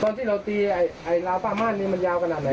ตอนที่เราตีลาวป้าม่านนี้มันยาวกระหน่ำไหม